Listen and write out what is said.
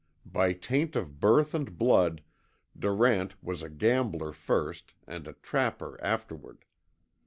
By taint of birth and blood Durant was a gambler first, and a trapper afterward.